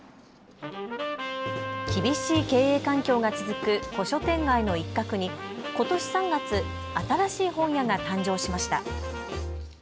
厳しい経営環境が続く古書店街の一角にことし３月、新しい本屋が誕生しました。